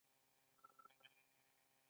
یو شپیتم سوال د قرارداد تعریف غواړي.